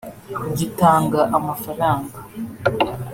gitanga amafaranga